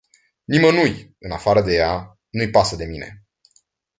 Nimănui, în afară de ea, nu-i pasă de mine.